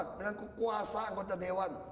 dengan kekuasaan anggota dewan